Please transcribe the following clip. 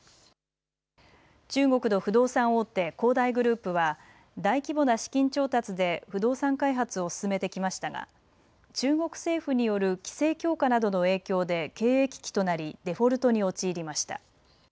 中国の不動産大手、恒大グループは大規模な資金調達で不動産開発を進めてきましたが中国政府による規制強化などの影響で経営危機となりデフォルトに陥りました。